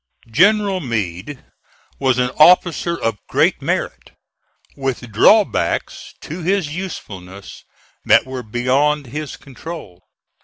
General Meade was an officer of great merit, with drawbacks to his usefulness that were beyond his control.